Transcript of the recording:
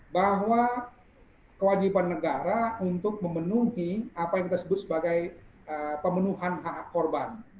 bahwa kewajiban negara untuk memenuhi apa yang kita sebut sebagai pemenuhan hak hak korban